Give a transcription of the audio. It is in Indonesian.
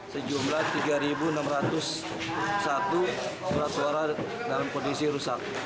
sejumlah tiga enam ratus satu surat suara dalam kondisi rusak